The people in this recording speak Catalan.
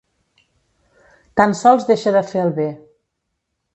Tan sols deixa de fer el bé.